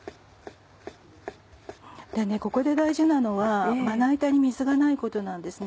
ここで大事なのはまな板に水がないことなんです。